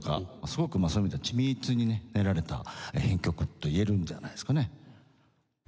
すごくそういう意味では緻密に練られた編曲と言えるんじゃないですかね。